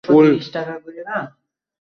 প্রেমের কবিতা, প্রিয়তমার প্রতি।